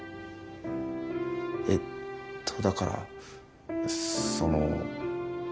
えっとだからその。